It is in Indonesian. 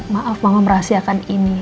maaf mama merahasiakan ini